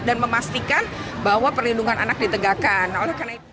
dan memastikan bahwa perlindungan anak ditegakkan